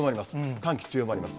寒気、強まります。